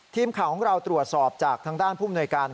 ทีมข่าวของเราตรวจสอบจากทางด้านผู้มนวยการ